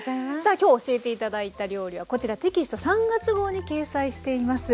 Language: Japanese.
今日教えて頂いた料理はこちらテキスト３月号に掲載しています。